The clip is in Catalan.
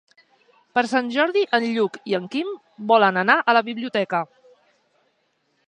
Per Sant Jordi en Lluc i en Guim volen anar a la biblioteca.